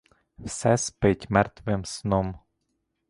Все спить мертвим сном.